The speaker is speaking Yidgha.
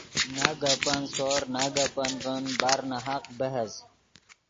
نہ گپن سور نہ گپن ڤین برناحق بحث